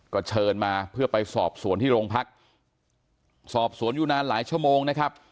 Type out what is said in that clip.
ก็เชิญมาเพื่อไปสอบสวนที่โรงพักสอบสวนอยู่นานหลายชั่วโมงนะครับ